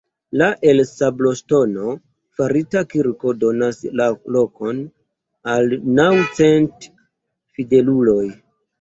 La el sabloŝtono farita kirko donas lokon al naŭ cent fideluloj.